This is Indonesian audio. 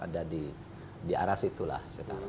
ada di arah situlah